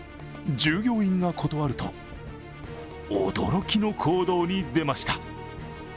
従業員が断ると、驚きの行動に出ました。